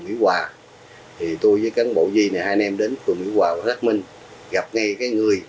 nghĩa hòa thì tôi với cán bộ gì này hai anh em đến phường nghĩa hòa rác minh gặp ngay cái người